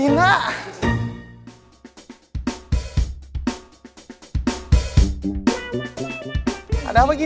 ilhamnya tersia kbar lasted dua kali